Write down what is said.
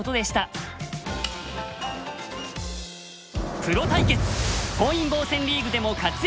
プロ対決本因坊戦リーグでも活躍